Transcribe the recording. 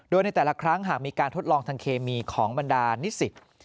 โดยในแต่ละครั้งหากมีการทดลองทางเคมีของบรรดานิสิต